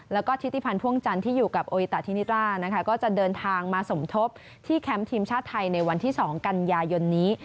แล้วก็ทิติพันธ์พ่วงจันทร์ที่อยู่กับโออิตาทินิร่านะคะก็จะเดินทางมาสมทบที่แคมป์ทีมชาติไทยในวันที่๒กันยายนนี้